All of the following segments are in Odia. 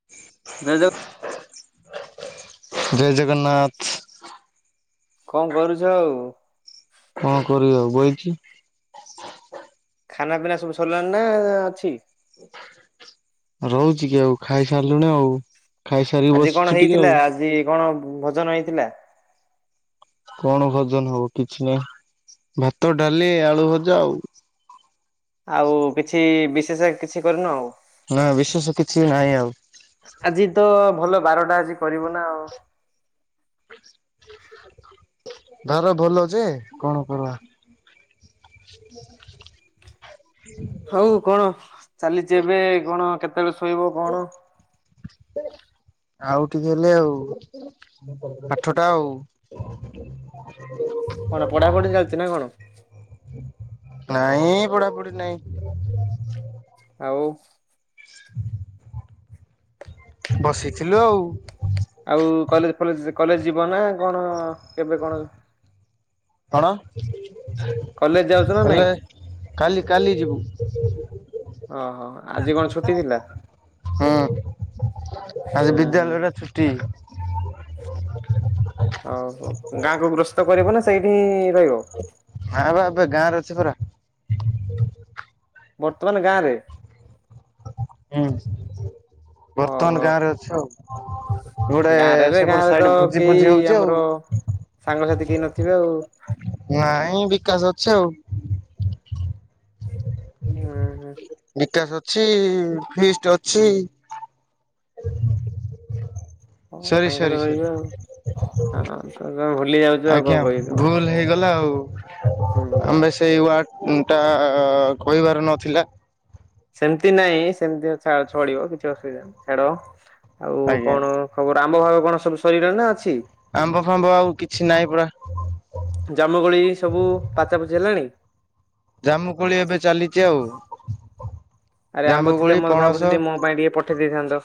[inaudible] ଜୟ ଜ ଜୟ ଜଗନ୍ନାଥ। କଣ କରୁଚ ଆଉ କଣ କରିବି ଆଉ ବଇଚି। ଖାନା ପିନା ସବୁ ସରିଲାଣି ନା ଅଛି? ରହୁଚି କି ଆଉ ଖାଇ ସାରିଲୁଣି ଆଉ। ଖାଇସାରିକି ଆଜି କଣ ବସିଛି ଟିକେ ହେଇଥିଲା ଆଉ ଆଜି କଣ ଭୋଜନ ହେଇଥିଲା? କଣ ଭୋଜନ ହବ କିଛି ନାହିଁ ଭାତ ଡାଲି ଆଳୁ ଭଜା ଆଉ। ଆଉ କିଛି ବିଶେଷ କିଛି କରିନ ଆଉ। ନା ବିଶେଷ କିଛି ନାହିଁ ଆଉ। ଆଜି ତ ଭଲ ବାରଟା ଅଛି କରିବ ନା ଆଉ। ଧର ଭଲ ଯେ କଣ କରବା। [inaudible] ହଉ କଣ ଚାଲିଚି ଏବେ କଣ କେତେବେଳେ ଶୋଇବ କଣ। ଆଉ ଟିକେ ହେଲେ ଆଉ। ଆଠଟା ଆଉ କଣ ପଢାପଢି ଚାଲିଚି ନା କଣ? ନାଇଁ ପଢାପଢି ନାଇଁ [inaudible] ଆଉ [inaudible] ବସିଥିଲୁ ଆଉ ଆଉ କଲେଜ ଫଲେଜ କଲେଜ ଯିବ ନା କଣ କେବେ କଣ କଣ କଲେଜ ଯାଉଛ ନା ନାଇଁ? କଲେ କାଲି କାଲି ଯିବୁ। ଅହ ଆଜି କଣ ଛୁଟି ଥିଲା? ହୁଁ ଆଜି ହୁଁ ହୁଁ ବିଦ୍ୟାଳୟରା ଛୁଟି। [inaudible] ଅହୋ ଗାଁକୁ ଗ୍ରସ୍ତ କରିବ ନା ସେଇଠିଁ ରହିବ। ନାଇଁ ବା ଏବେ ଗାଁରେ ଅଛି ପରା। ବର୍ତ୍ତମାନ ଗାଁ ରେ ହୁଁ ବର୍ତ୍ତମାନ ଓହୋ ଗାଁରେ ଅଛି ଆଉ। ଗୋଟେ ଗାଁରେ ରେ ସେପଟେ ଗାଁରେ ତ ସାଇରେ ଭୋଜି କେହି ଫୋଜି ହଉଛି ଆମର ଆଉ। ସାଙ୍ଗସାଥି କେହି ନଥିବେ ଆଉ। ନାଇଁ ବିକାଶ ଅଛି ଆଉ। ଉହୁଁ। ବିକାଶ ଅଛି, ଫିଷ୍ଟ ଅଛି। ହଁ ସରି, ତାଙ୍କେ ତ ସରି, ରହିବେ ଆଉ। ସରି। ହଁ ତମେ ଭୁଲି ଯାଉଛ ଆଉ କଣ ଆଜ୍ଞା କହିବି ତମକୁ ଭୁଲ ହେଇଗଲା ଆଉ ହୁଁ। ଆମେ ସେଇ ୱାର୍ଡ ଟା କହିବାର ନଥିଲା। ସେମିତି ନାଇଁ ସେମିତି ଚଳିବ କିଛି ଅସୁବିଧା ନାହିଁ ଛାଡ ଆଉ ଆଜ୍ଞା। କଣ ହୋଉ ରାମ ଭାଗ କଣ ସବୁ ସରିଲାଣି ନା ଅଛି? ଆମ୍ବ ଫାମ୍ବ ଆଉ କିଛି ନାହିଁ ପୁରା। ଜାମୁକୋଳି ସବୁ ପାଚା ପଚି ହେଲାଣି? ଜାମୁକୋଳି ଏବେ ଚାଲିଛି ଆଉ। ଆରେ ଆମ୍ବ ଥିଲେ ଜାମୁକୋଳି ମୁଁ ପଣସ ଭାବୁଥିଲି ମୋ ପାଇଁ ଟିକେ ପଠେଇ ଦେଇଥାନ୍ତ।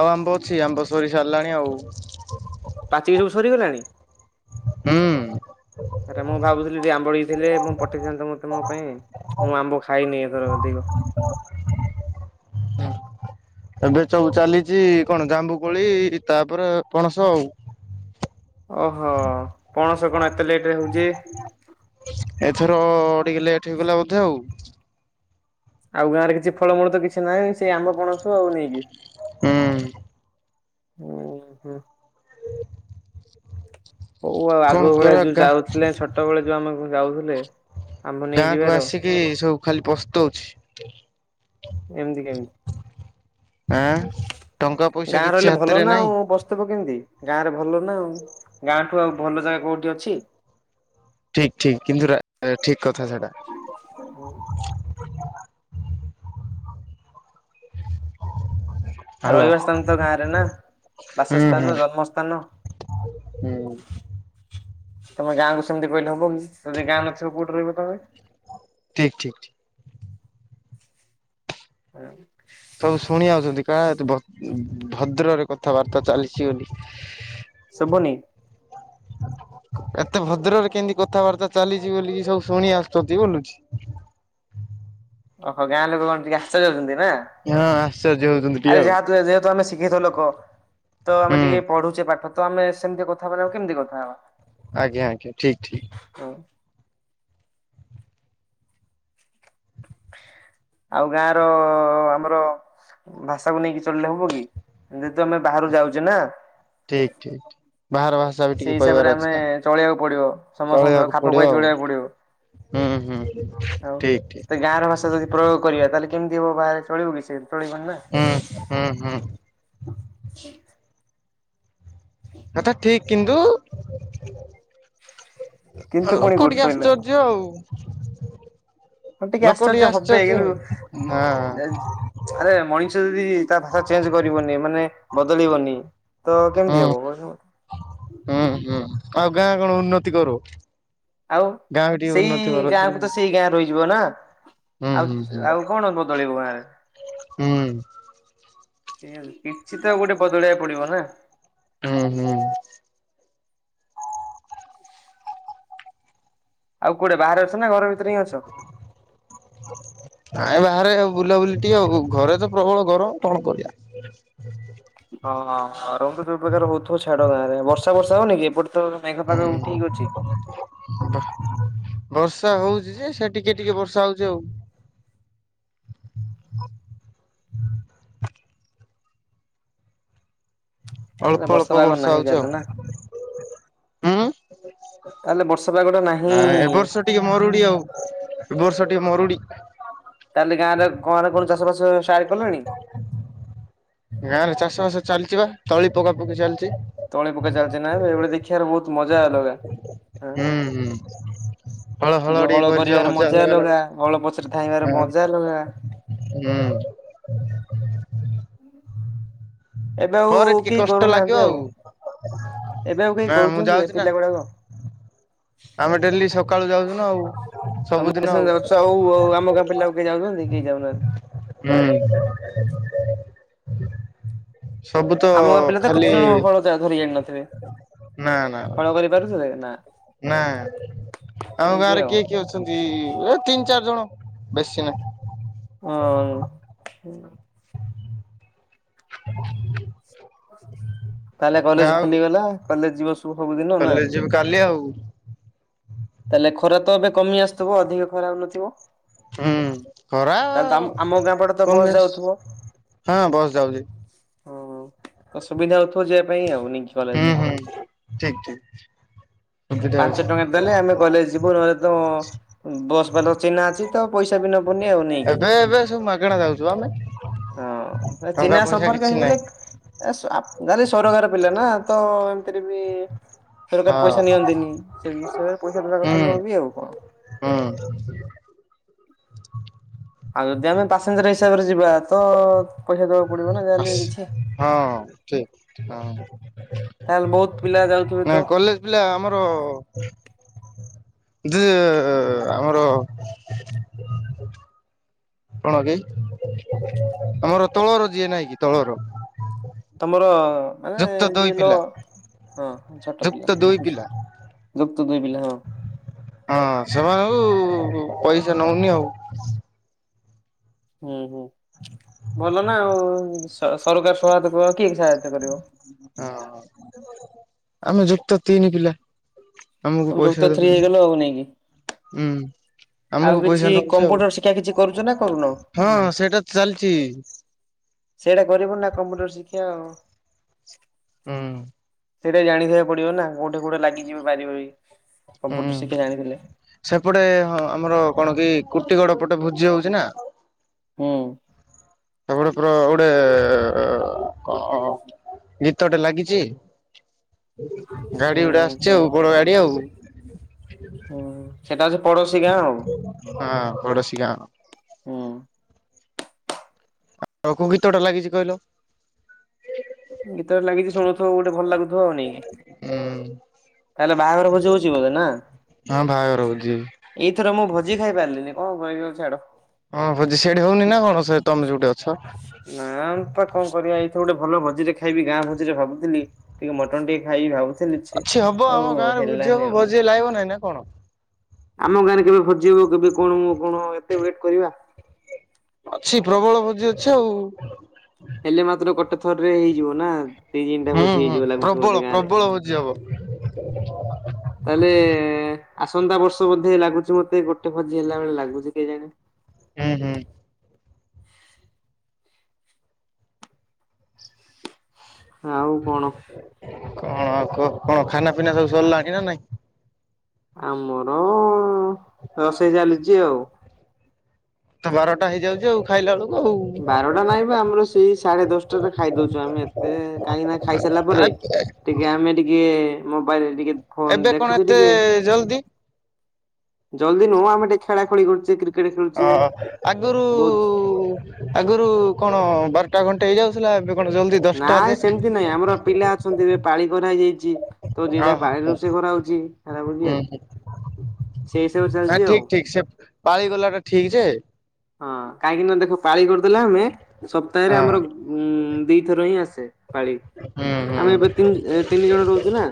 ଆଉ ଆମ୍ବ ଅଛି ଆମ୍ବ ସରି ସାରିଲାଣି ଆଉ। ପାଚିକି ସବୁ ସରିଗଲାଣି। ହୁଁ। ଆରେ ମୁଁ ଭାବୁଥିଲି ଟିକେ ଆମ୍ବ ଟିକେ ଥିଲେ ମୁଁ ପଠେଇଥାନ୍ତି ତମେ ତ ମୋ ପାଇଁ। ମୁଁ ଆମ୍ବ ଖାଇନି ଏଥର ଅଧିକ। ଏବେ ସବୁ ଚାଲିଛି କଣ ଜାମୁକୋଳି ତାପରେ ପଣସ ଆଉ। ଓହୋ ପଣସ କଣ ଏତେ ଲେଟରେ ହଉଛି। ଏଥର ଟିକେ ଲେଟ ହେଇଗଲା ବୋଧେ ଆଉ। ଆଉ ଗାଁରେ କିଛି ଫଳମୂଳ ତ କିଛି ନାହିଁ, ସେଇ ଆମ୍ବ ପଣସ ଆଉ ନେଇକି। ହୁଁ। ଉହୁଁ। ହଉ ଆଉ କଣ ଆଗ ଭଳିଆ କରିବା ଯୋଉ ଗାଁ ଯାଉଥିଲେ ଛୋଟବେଳେ ଯୋଉ ଆମେ ଯାଉଥିଲେ। ଆମ୍ବ ଗାଁକୁ ନେଇଯିବାର ଆସିକି ସବୁ ଖାଲି ପସ୍ତୋଉଚି। ଏମିତି କେମିତି ଆଁ। ଟଙ୍କା ପଇସା ଗାଁ କିଛି ରହିଲେ ଭଲ ହାତରେ ନା ନାହିଁ ଆଉ ପସ୍ତେଇବ କେମିତି। ଗାଁ ରେ ଭଲ ନା ଆଉ ଗାଁଠୁ ଆଉ ଭଲ ଜାଗା କୋଉଠି ଅଛି? ଠିକ ଠୀକ କିନ୍ତୁ ରା ଠିକ କଥା ସେଟା। [inaudible] ହ୍ୟାଲୋ ରହିବା ସ୍ଥାନ ତ ଗାଁରେ ନା ହୁଁ ହୁଁ ବାସସ୍ଥାନ, ଜନ୍ମସ୍ଥାନ। ହୁଁ। ତମେ ଗାଁକୁ ସେମିତି କହିଲେ ହବି କି ଯଦି ଗାଁ ନଥିବ କୋଉଠି ରହିବ ତମେ? ଠିକ୍, ଠିକ୍, ଠିକ୍। [inaudible] ସବୁ ଶୁଣି ଆଉଛନ୍ତି କା ଭଦ୍ରରେ କଥାବାର୍ତ୍ତା ଚାଲିଛି ଏଠି। ସୁବୁନି। ଏତେ ଭଦ୍ରରେ କେମତି କଥାବାର୍ତ୍ତା ଚାଲିଛି ବୋଲିି ସବୁ ଶୁଣି ଆସୁଛତି ବୋଲୁଛି। ଓହୋ ଗାଁ ଲୋକ ମାନେ ଟିକେ ଆଶ୍ଚଯ୍ୟ ହେଇଯାଉଛନ୍ତି ନା? ହଁ ଆଶ୍ଚର୍ଯ୍ୟ ହଉଛନ୍ତି ଟିକେ ଆରେ ଆଉ ଯାହାତୁ ଯେହେତୁ ଆମେ ଶିଖିତ ଲୋକ ତ ଆମେ ହୁଁ ଟିକେ ପଢୁଛେ ପାଠ ତ ଆମେ ସେମିତି କଥା ହବନି ଆଉ କେମିତି କଥା ହେବା। ଆଜ୍ଞା, ଆଜ୍ଞା ଠିକ, ଠିକ। ହଁ। ଆଉ ଗାଁର ଆମର ଭାଷାକୁ ନେଇକି ଚଳିଲେ ହବ କି? ଯେହେତୁ ଆମେ ବାହାରରୁ ଯାଉଛେ ନା ଠିକ, ଠିକ, ଠିକ ବାହାର ଭା ଷା ବି ଟିକେ ସେଇ ହିସାବରେ କହିବାର ଅଛି ଆମେ ନା ଚଳିବାକୁ ପଡିବ ସମସ୍ତଙ୍କ ସହ ଚଳେଇବାକୁ ଖାପ ଖୁଆଇ ପଡିବ ଆଉ। ଚଳିବାକୁ ପଡିବ ହୁଁ, ହୁଁ ଆଉ ଠିକ, ତ ଗାଁର ଭାଷା ଠିକ। ଯଦି ପ୍ରୟୋଗ କରିବା, ତାହେଲେ କେମିତି ହବ ବାହାରେ ଚଳିବ କି ସେ? ଚଳିବନି ନା। ହୁଁ ହୁଁ ହୁଁ। ଏଥା ଠିକ। କିନ୍ତୁ କିନ୍ତୁ ପୁଣି ଲୋକ ଗୁଡ୍ ଟିକେ ଫ୍ରେଣ୍ଡ ଆଶ୍ଚର୍ଯ୍ୟ ଆଉ। ହ ଟିକେ ଆଶ୍ଚର୍ଯ୍ୟ ହବେ। କିନ୍ତୁ ଉଁ ହଁ ଜ ଆରେ ମଣିଷ ଯଦି ତା ଭାଷା ଚେଞ୍ଜ କରିବନି ମାନେ ବଦଳିବନି ତ କେମିତି ହୁଁ। ହବ କହୁ? ହୁଁ ହୁଁ ଆଉ ଗାଁ କଣ ଉନ୍ନତି କରୁ। ଆଉ ଗାଁ ଟିକେ ଉନ୍ନତି ସେଇ କର। ଗାଁ କୁ ତ ହୁଁ ସେଇ ଗାଁ ରହିଯିବ ନା। ଆଉ ହୁଁ ହୁଁ ଆଉ କଣ ବଦଳିବ ଗାଁରେ। ହୁଁ କିଛି ତ ଆଉ ଗୋଟେ ବଦଳେବାକୁ ପଡିବ ନା। ଉଁ ହୁଁ। ଆଉ କୁଆଡେ ବାହାରେ ଅଛ ନା ଘର ଭିତରେ ହିଁ ଅଛ? ନାଇଁ ବାହାରେ ଆଉ ବୁଲାବୁଲି ଟିକେ ଆଉ। ଘରେ ତ ପ୍ରବଳ ଗରମ୍ କଣ କରିବା। ହଁ ଗରମ୍ ତ ଯୋଉ ପ୍ରକାର ହଉଥିବ ଛାଡ ଗାଁରେ। ବର୍ଷା ଫର୍ଷା ହଉନି କି? ଏପଟେ ତ ମେଘ ପାଗ ଉଠେଇକି ହୁଁ ଅଛି। ବର୍ଷା ହଉଚି ଯେ ସେ ଟିକେ ଟିକେ ବର୍ଷା ହଉଚି ଆଉ। ତାହେଲେ ଅଳ୍ପ ଅଳ୍ପ ପାଗ ବର୍ଷା ନାହିଁ ହଉଚି ତାହେଲେ ନା ଆଉ। ଉଁ ତାହେଲେ ବର୍ଷା ପାଗଟା ନାହିଁ ନାଇଁ ଏ ବର୍ଷ ଟିକେ ମରୁଡି ଆଉ, ଏ ବର୍ଷ ଟିକେ ମରୁଡି। ତାହେଲେ ଗାଁରେ [unintelligible] ଚାଷବାସ ଷ୍ଟାର୍ଟ କଲେଣି? ଗାଁ ରେ ଚାଷ ବାସ ଚାଲିଚି ବା। ତଳି ପକାପକି ଚାଲିଚି। ତଳି ପକା ଚାଲିଚି ନା। ଏବେ ଏଭଳି ଦେଖିବାର ବହୁତ୍ ମଜା ଅଲଗା। ହୁଁ ହୁଁ। ଯୋଉ ହଳ କରିବାର ମଜା ଅଲଗା। ହଳ ପଛରେ ଧାଇଁବାର ଆଉ ମଜା ଲଲଗା। ହୁଁ। ଏବେ ଆଉ ପରେ ଟିକେ କେହି କଷ୍ଟ ଲାଗିବ କରୁନାହାନ୍ତି ଆଉ। ଏବେ ଆଉ କେହି ନା ମୁଁ କରୁଛନ୍ତି ଯାଉଛି ଏ ନା ପିଲା ଗୁଡାକ। ଆମେ ଡେଲି ସକାଳୁ ଯାଉଚୁ ନା ଆଉ। ତମେ ସି ଯାଉଚ ଆଉ ଆଉ ଆମ ଗାଁ ପିଲା ଆଉ କେହି ଯାଉଛନ୍ତି, କେହି ଯାଉନାହାନ୍ତି। ହୁଁ। ସବୁ ତ ଖାଲି ଦାଆ ଧରି ଜାଣି ନଥିବେ। ନା ନା ହଳ କରିପାରୁଥିଲେ ନା। ନା ଆମ ଗାଁ ସେମିତି ରେ ଆଉ ହଁ। କିଏ କିଏ ଅଛନ୍ତି? ଏ ତିନି ଚାରି ଜଣ ବେଶୀ ନାହିଁ। [unintelligible] ତାହେଲେ କଲେଜ୍ ଆଉ ଖୋଲିଗଲା। କଲେଜ ଯିବ ଶୁ ସବୁ ସବୁଦିନ ନା? କଲେଜ ଯିବି କାଲି ଆଉ ତାହେଲେ ଖରା ତ ଏବେ କମି ଆସୁଥିବ ଅଧିକ ଖରା ହଉନଥିବ? ହୁଁ ଖରା ତାହେଲେ ଆମ ଆମ ଗାଁ ପଟେ ତ ବସ୍ [unintelligible] ଯାଉଥିବ ହଁ ବସ୍ ଯାଉଚି। ହଁ। ତ ସୁବିଧା ହଉଥିବ ଯିବା ପାଇଁ ଆଉ ନା କି? ହୁଁ ହୁଁ ଠିକ୍ ଠିକ୍। ପାଞ୍ଚ ଟଙ୍କା ଦେଲେ ଆମେ କଲେଜ୍ ଯିବୁ ନହେଲେ ତ ବସ୍ ବାଲା ଚିହ୍ନା ଅଛି। ତ ପଇସା ବି ନବନି ଆଉ ନେଇକି। ଏବେ ଏବେ ସବୁ ମାଗଣା ଯାଉଛୁ ଆମେ ହଁ ଏ ଟଙ୍କା ଚିହ୍ନା ପଇସା ସମ୍ପର୍କ କିଛି ହେଇଗଲେ ନାହିଁ। [unintelligible] ଯାହେଲେ ସରକାର ପିଲା ନା ତ ଏମିତିରେ ବି ସରକାର ହଁ ପଇସା ନିଅ ନ୍ତିନି। ସେମାନେ ପଇସା ଦେବା କଥା ହୁଁ ନୁହଁ ବି ଆଉ କଣ। ହୁଁ। ଆଉ ଯଦି ଆମେ ପାସେଞ୍ଜର ହିସାବରେ ଯିବା ତ, ପଇସା ଦବାକୁ ପଡିବ ନା ଯାହାହେଲେ କିଛି। ହଁ ଠିକ୍ ହଁ। ତାହେଲେ ବହୁତ୍ ପିଲା ଯାଉଥିବେ ନା ତ? କଲେଜ ପିଲା ଆମର [unintelligible] ଆମର କଣ କି ଆମର ତଳର ଯିଏ ନାଇଁ କି ତଳର। ତମର ଯୁକ୍ତ ମାନେ ଦୁଇ ଯିଏ ଲ ପିଲା ହଁ ଛୋଟ ଯୁକ୍ତ ପିଲା। ଦୁଇ ପିଲା ଯୁକ୍ତ ଦୁଇ ପିଲା ହଁ। ହଁ ସେମାନଙ୍କୁ ପଇସା ନଉନି ଆଉ। ହୁଁ ହୁଁ ଭଲ ନା ଆଉ। ସ ସରକାର ସହାୟତା କରିବ କିଏ ସହାୟତା କରିବ। ହଁ। ଆମେ ଯୁକ୍ତ ତିନି ପିଲା। ଆମୁକୁ ତମେ ଯୁକ୍ତ ପଇସା ଥ୍ରୀ ଦେଉନାହାନ୍ତି ହେଇଗଲ ଆଉ ନେଇକି ହୁଁ। ଆଉ ଆମକୁ ପଇସା କିଛି ନଉଛି ଆଉ କମ୍ପୁଟର ଶିକ୍ଷା କିଛି କରୁଛ ନା କରୁନ। ହଁ ସେଇଟା ଚାଲଚି। ସେଇଟା କରିବୁ ନା କମ୍ପ୍ୟୁଟର ଶିକ୍ଷା ଆଉ। ହୁଁ। ସେଇଟା ଜାଣିଥିବାକୁ ପଡିବ ନା କୋଉଟି କୋଉଟା ଲାଗିଯିବ ପାରିବକି। ହୁଁ। ସେପଟେ ହଁ ଆମର କଣ କି କୁରତି ଗଡ ପଟେ ଭୋଜି ହଉଛି ନା। ହୁଁ। ସେପଟେ ପୁରା ଗୋଟେ କ ଅ ଅ ଗୀତଟେ ଲାଗିଚି। ହୁଁ ଗାଡି ଗୁଡା ଆସିଛି ହୁଁ ଆଉ ବଡ ଗାଡି ଆଉ। ହୁଁ ସେଟା ହଉଛି ପଡୋଶୀ ଗାଁ ଆଉ ହଁ ପଡୋଶୀ ଗାଁ। ହୁଁ। ଆଉ କୋଉ ଗୀତ ଟା ଲାଗିଛି କହିଲ। ଗୀତଟା ଲାଗିଛି ଶୁଣୁଥିବ ଗୋଟେ ଭଲ ଲାଗୁଥିବ ଅ ନାଇଁକି। ତାହେଲେ ବାହାଘର ଭୋଜି ହଉଛି ବୋଧେ ନା। ହଁ ବାହାଘର ଭୋଜି। ଏଇଥର ମୁଁ ଭୋଜି ଖାଇ ପାରିଲିନି କଣ କହିବି ଆଉ ଛାଡ। ହଁ ଭୋଜି ସେଇଠି ହଉନି ନା କଣ ସେ ତମେ ଯୋଉଠି ଅଛ। ନା ପା କଣ କରିଆ ଏଇଥର ଗୋଟେ ଭଲ ଭୋଜିଟେ ଖାଇବି ଗାଁ ଭୋଜିଟେ ଭାବୁଥିଲି। ଟିକେ ମଟନ୍ ଟିକେ ଖାଇବି ଭାବୁ ଥିଲି ଛେ ଅଛି ହବ ଆମ ଓହୋ ଗାଁରେ ଭୋଜି ହବ ହେଲାନି ଆଉ। ଭୋଜି ଲାଗିବ ନାଇଁ ନା କଣ? ଆମ ଗାଁରେ କେବେ ଭୋଜିହବ କେବେ କଣ ମୁଁ କଣ ଏତେ ୱେଟ୍ କରିବା। ଅଛି ପ୍ରବଳ ଭୋଜି ଅଛି ଆଉ। ହେଲେ ମାତ୍ର ଗୋଟେ ଥରରେ ହେଇଯିବ ନାଁ। ହୁଁ ହୁଁ ପ୍ରବଳ ପ୍ରବଳ ଭୋଜି ହବ। ତାହେଲେ ଏ ଆସନ୍ତା ବର୍ଷ ବୋଧେ ଲାଗୁଛି ମତେ ଗୋଟେ ଭୋଜି ହେଲା ଭଳି ଲାଗୁଛି କେଜାଣେ। ହୁଁ ହୁଁ। ଆଉ କଣ। କଣ ଆଉ କ କଣ ଖାନା ପିନା ସବୁ ସରିଲାଣି ନା ନାଇଁ। ଆମର ରଷେଇ ଚାଲିଛି ଆଉ। ତ ବାରଟା ହେଇଯାଉଛି ଆଉ। ଖାଇଲା ବେଳକୁ ଆଉ। ବାରଟା ନାହିଁ ବା ଆମର ସେଇ ସାଢେ ଦଶଟାରେ ଖାଇ ଦଉଛୁ ଆମେ ଏତେ କାହିଁନା ଖାଇ ସାରିଲା ପରେ [inaudible] ଟିକେ ଆମେ ଟିକେ ମୋବାଇଲ ଟିକେ ଫୋନ ଏବେ କଣ ଦେଖୁଛୁ ଟିକେ। ଏତେ ଜଲ୍ଦି ଜଲ୍ଦି ନୁହଁ ଆମେ ଟିକେ ଖେଳାଖେଳି କରୁଛେ କ୍ରିକେ ଅ ଆଗୁରୁ ଆଗୁରୁ କଣ ବାରଟା ଘଣ୍ଟେ ହେଇଯାଉଥିଲା ଏବେ କଣ ଜଲଦି ଦଶଟା ନାଇଁ ଅଧେ ସେମିତି ନାଇଁ ଆମର ପିଲା ଅଛନ୍ତି ଏବେ ପାଳି କରା ହେଇଯାଇଛି। ତ ଯିଏ ହଁ ଯାହା ହଁ ପାଳି ହଁ ରୋଷେଇ କରାହଉଛି ହେରା ବୁଝି ସେଇ ହିସାବରେ ଚାଲିଛି ନାଁ ଆଉ। ଠିକ ଠିକ ସେ ପାଳିଗଲାଟା ଠିକ ଯେ ହଁ କାହିଁକି ନା ଦେଖ ପାଳି କରିଦେଲେ ଆମେ ସପ୍ତାହରେ ଆମର ହଁ ଉଁ ଦିଥର ହିଁ ଆସେ। ପାଳି ହୁଁ ହୁଁ ଆମେ ଏବେ ତିନି ତିନି ଜଣ ରହୁଛୁ ନା।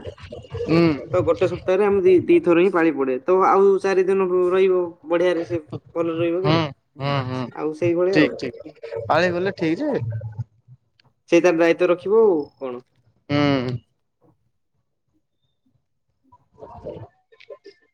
ହୁଁ ତ ଗୋଟେ ସପ୍ତାହରେ ଆମେ ଦି ଦିଥର ହିଁ ପାଳି ପଡେ ତ ଆଉ ଚାରି ଦିନ ବୁ ରହିବ। ବଢିଆରେ ସେ ଭଲ ରହିବ କି ହୁଁ ନାଇଁ। ହୁଁ ହୁଁ ଆଉ ସେଇଭଳିଆ ଆଉ। ଠିକ ଠିକ ପାଳି କଲେ ଠିକ ଯେ ସେଇ ତା ଦାୟିତ୍ଵ ରଖିବୁ କଣ। ହୁଁ। [inaudible]